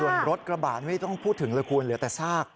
ส่วนรถกระบะนี่ต้องพูดถึงละครเหลือแต่ซาก